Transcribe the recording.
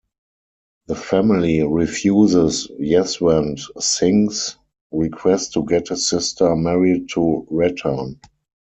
The family refuses Jaswant Singh's request to get his sister married to Ratan.